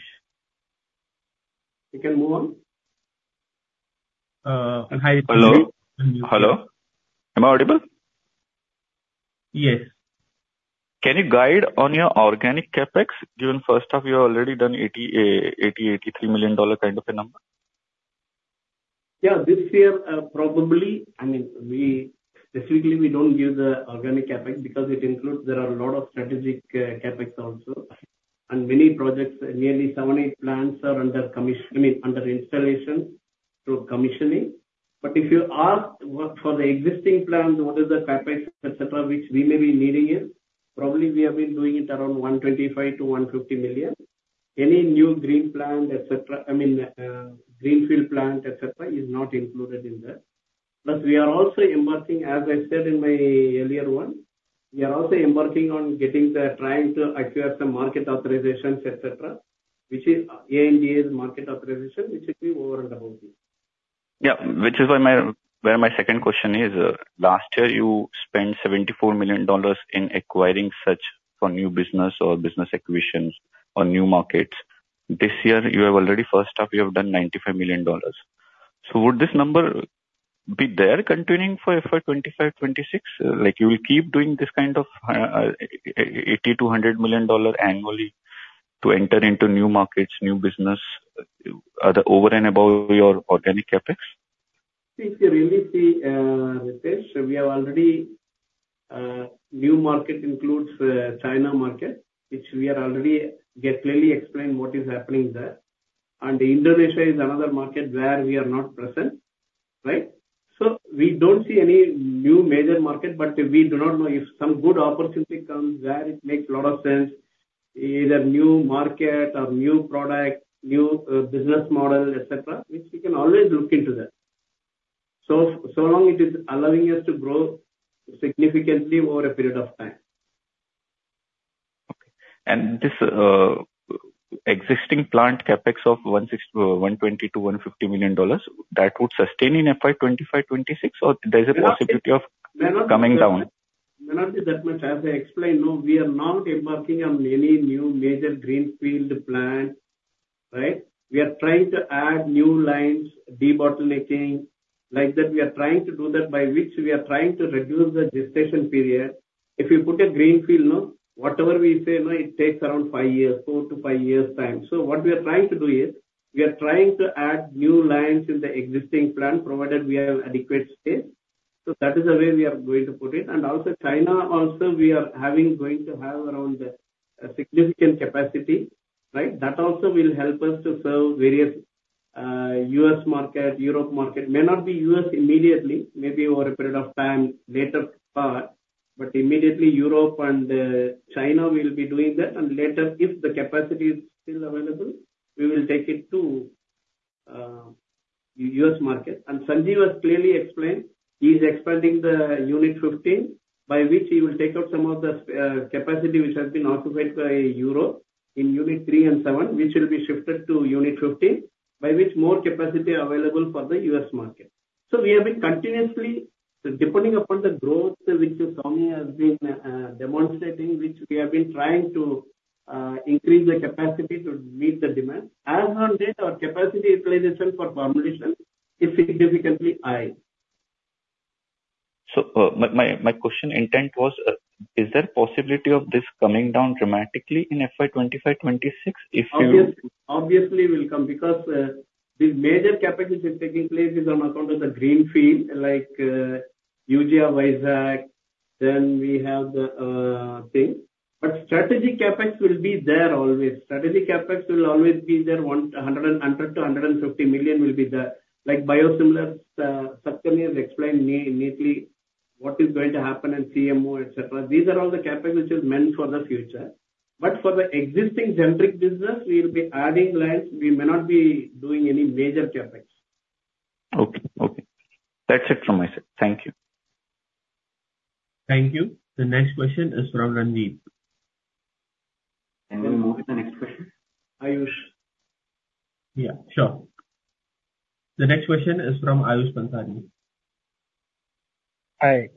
Speaker 3: We can move on.
Speaker 1: Uh, hi.
Speaker 18: Hello? Hello. Am I audible?
Speaker 1: Yes.
Speaker 18: Can you guide on your organic CapEx, given first half you have already done $83 million kind of a number?
Speaker 3: Yeah, this year, probably, I mean, specifically, we don't give the organic CapEx because it includes there are a lot of strategic, CapEx also. Many projects, nearly seven, eight plants are under installation, through commissioning. But if you ask what, for the existing plants, what is the capacity, et cetera, which we may be needing it, probably we have been doing it around $125 million-$150 million. Any new green plant, et cetera, I mean, greenfield plant, et cetera, is not included in that. But we are also embarking, as I said in my earlier one, we are also embarking on getting the, trying to acquire some market authorizations, et cetera, which is ANDAs market authorization, which is over and above this.
Speaker 18: Yeah, which is why my, where my second question is, last year you spent $74 million in acquiring such for new business or business acquisitions or new markets. This year you have already, first half, you have done $95 million. So would this number be there continuing for FY 2025, FY 2026? Like you will keep doing this kind of, $80 million-$100 million annually to enter into new markets, new business, other over and above your organic CapEx?
Speaker 3: If you really see, Ritesh, we have already new market includes China market, which we are already get clearly explained what is happening there. Indonesia is another market where we are not present, right? So we don't see any new major market, but we do not know if some good opportunity comes where it makes a lot of sense, either new market or new product, new business model, et cetera, which we can always look into that. So long it is allowing us to grow significantly over a period of time.
Speaker 18: Okay. And this existing plant CapEx of $120 million-$150 million, that would sustain in FY 2025, FY 2026? Or there's a possibility of coming down?
Speaker 3: May not be that much. As I explained, no, we are not embarking on any new major greenfield plant, right? We are trying to add new lines, debottlenecking. Like that, we are trying to do that by which we are trying to reduce the gestation period. If you put a greenfield, you know, whatever we say, no, it takes around five years, four to five years' time. So what we are trying to do is, we are trying to add new lines in the existing plant, provided we have adequate space. So that is the way we are going to put it. And also, China also, we are having, going to have around a significant capacity, right? That also will help us to serve various, U.S. market, Europe market. May not be U.S. immediately, maybe over a period of time, later far, but immediately Europe and China will be doing that. And later, if the capacity is still available, we will take it to U.S. market. And Sanjeev has clearly explained, he's expanding the Unit 15, by which he will take out some of the capacity which has been occupied by Europe in Unit 3 and 7, which will be shifted to Unit 15, by which more capacity available for the U.S. market. So we have been continuously, depending upon the growth which Swami has been demonstrating, which we have been trying to increase the capacity to meet the demand. As on date, our capacity utilization for formulation is significantly high.
Speaker 18: My question intent was, is there possibility of this coming down dramatically in FY 2025, FY 2026 if you.
Speaker 3: Obviously, obviously will come because, the major CapEx which is taking place is on account of the greenfield, like, Eugia or Vizag, then we have the thing. But strategic CapEx will be there always. Strategic CapEx will always be there, $100 million-$150 million will be there. Like biosimilars, Satakarni has explained neatly what is going to happen in CMO, et cetera. These are all the CapEx which is meant for the future. But for the existing generic business, we will be adding lines, we may not be doing any major CapEx.
Speaker 18: Okay, okay. That's it from my side. Thank you.
Speaker 1: Thank you. The next question is from Ranjit.
Speaker 3: Can we move to the next question? Ayush.
Speaker 1: Yeah, sure. The next question is from Ayush Bansari.
Speaker 19: Hi,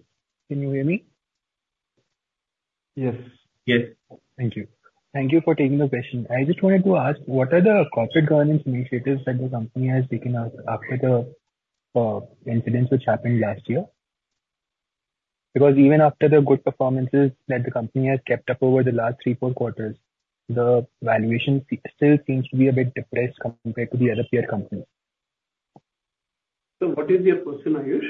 Speaker 19: can you hear me?
Speaker 3: Yes.
Speaker 1: Yes.
Speaker 19: Thank you. Thank you for taking the question. I just wanted to ask, what are the corporate governance initiatives that the company has taken up after the incidents which happened last year? Because even after the good performances that the company has kept up over the last three, four quarters, the valuation still seems to be a bit depressed compared to the other peer companies.
Speaker 3: What is your question, Ayush?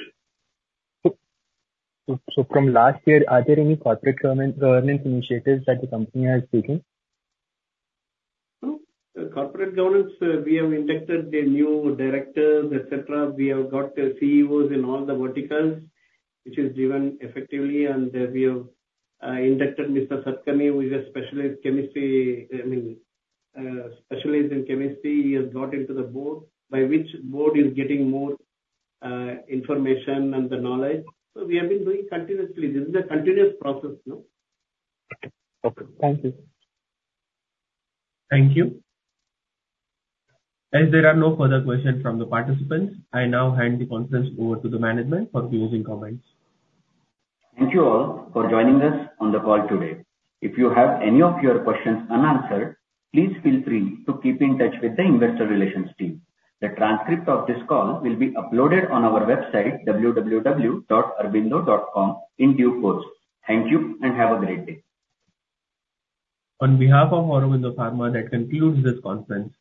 Speaker 19: So from last year, are there any corporate governance initiatives that the company has taken?
Speaker 3: So, the corporate governance, we have inducted the new directors, et cetera. We have got CEOs in all the verticals, which is given effectively, and we have inducted Dr. Satakarni, who is a specialist chemistry, I mean, specialist in chemistry. He has got into the Board, by which Board is getting more information and the knowledge. So we have been doing continuously. This is a continuous process, no?
Speaker 19: Okay. Thank you.
Speaker 1: Thank you. As there are no further questions from the participants, I now hand the conference over to the management for closing comments.
Speaker 2: Thank you all for joining us on the call today. If you have any of your questions unanswered, please feel free to keep in touch with the investor relations team. The transcript of this call will be uploaded on our website, www.aurobindo.com, in due course. Thank you, and have a great day.
Speaker 1: On behalf of Aurobindo Pharma, that concludes this conference.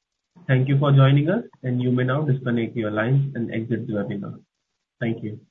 Speaker 1: Thank you for joining us, and you may now disconnect your lines and exit the webinar. Thank you.